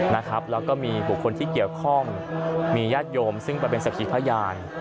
แล้วก็มีบุคคลที่เกี่ยวข้องมีญาติโยมซึ่งมันเป็นสักขีพยาน